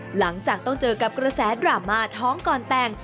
หลังจากต้องเจอกับกระแสดราม่าท้องก่อนแต่ง